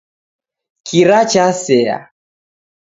Kira chasea